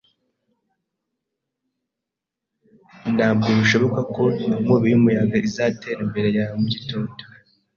Ntabwo bishoboka ko inkubi y'umuyaga izatera mbere ya mu gitondo.